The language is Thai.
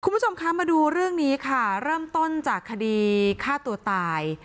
คุณผู้ชมคะมาดูเรื่องนี้ค่ะเริ่มต้นจากคดีฆ่าตัวตาย